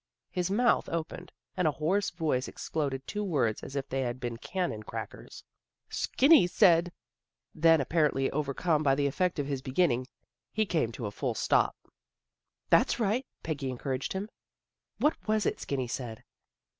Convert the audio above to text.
His mouth opened ; and a hoarse voice exploded two words, as if they had been cannon crackers. " Skinny said Then, apparently over come by the effect of his beginning, he came to a full stop. 114 THE GIRLS OF FRIENDLY TERRACE " That's right," Peggy encouraged him. " What was it Skinny said?